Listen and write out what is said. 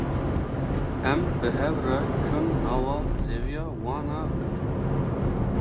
Em bi hev re çûn nava zeviya wan a biçûk.